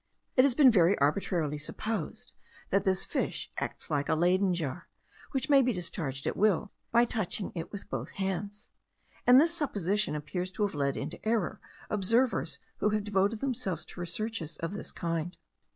It has been very arbitrarily supposed, that this fish acts like a Leyden jar, which may be discharged at will, by touching it with both hands; and this supposition appears to have led into error observers who have devoted themselves to researches of this kind.